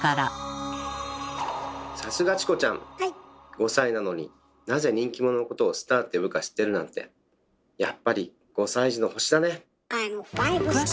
５歳なのになぜ人気者のことをスターって呼ぶか知ってるなんてアイムファイブスター。